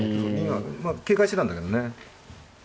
まあ警戒してたんだけどね。